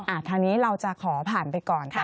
ทางนี้เราจะขอผ่านไปก่อนค่ะ